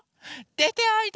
でておいで。